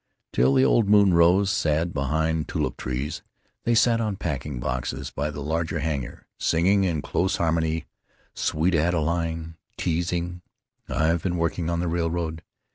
Till the old moon rose, sad behind tulip trees, they sat on packing boxes by the larger hangar, singing in close harmony "Sweet Adeline," "Teasing," "I've Been Working on the Railroad."...